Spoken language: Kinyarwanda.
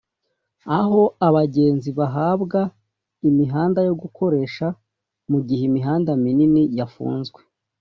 aho abagenzi bahabwa imihanda yo gukoresha mu gihe imihanda minini yafunzwe